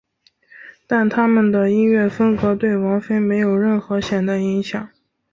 但他们的音乐风格对王菲没有任何显着影响。